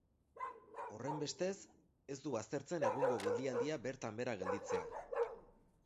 Horrenbestez, ez du baztertzen egungo geldialdia bertan behera gelditzea.